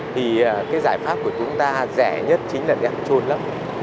thì cái giải pháp của chúng ta rẻ nhất chính là đem trôn lắm